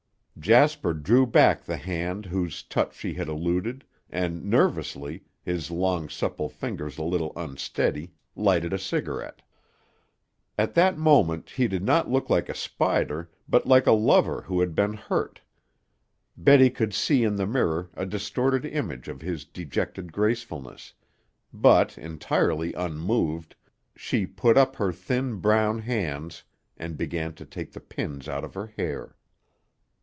Jasper drew back the hand whose touch she had eluded, and nervously, his long supple fingers a little unsteady, lighted a cigarette. At that moment he did not look like a spider, but like a lover who has been hurt. Betty could see in the mirror a distorted image of his dejected gracefulness, but, entirely unmoved, she put up her thin, brown hands and began to take the pins out of her hair.